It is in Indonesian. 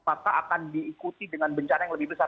maka akan diikuti dengan bencana yang lebih besar